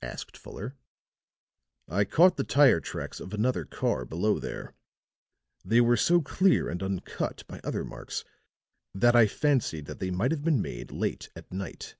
asked Fuller. "I caught the tire tracks of another car below there; they were so clear and uncut by other marks that I fancied that they might have been made late at night."